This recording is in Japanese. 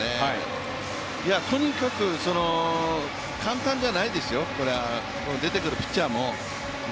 とにかく簡単じゃないですよ、出てくるピッチャーも。